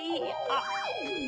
あっ。